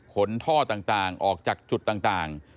ท่อต่างออกจากจุดต่าง